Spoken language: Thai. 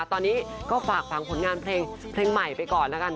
ตอนนี้ก็ฝากฝังผลงานเพลงใหม่ไปก่อนแล้วกัน